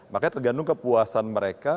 makanya tergantung kepuasan mereka